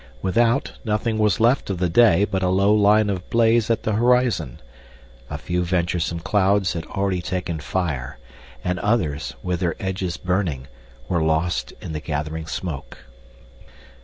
Without, nothing was left of the day but a low line of blaze at the horizon. A few venturesome clouds had already taken fire, and others, with their edges burning, were lost in the gathering smoke.